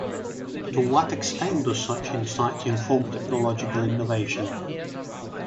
To what extent do such insights inform technological innovation?